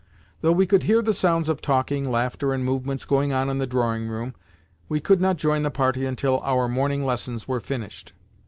Though we could hear the sounds of talking, laughter, and movements going on in the drawing room, we could not join the party until our morning lessons were finished.